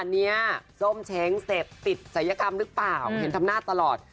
อันนี้ส้มเช้งเสพติดศัยกรรมหรือเปล่าเห็นทำหน้าตลอด